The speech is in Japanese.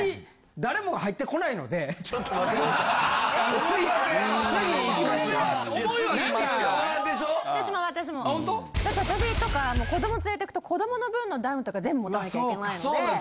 だって私とか子供連れてくと子供の分のダウンとか全部持たなきゃいけないので。